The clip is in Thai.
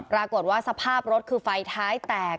ปรากฏว่าสภาพรถคือไฟท้ายแตก